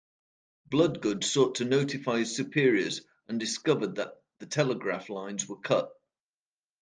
Bloodgood sought to notify his superiors and discovered that the telegraph lines were cut.